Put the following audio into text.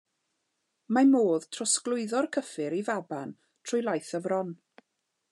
Mae modd trosglwyddo'r cyffur i faban trwy laeth y fron.